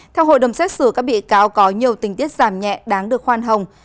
theo hội đồng xét xử các bị cáo có nhiều tình tiết giảm nhẹ đáng được khoan hồng